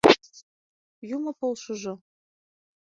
Юмо полшыжо!